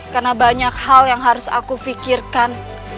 karena banyak hal yang harus aku fikirkan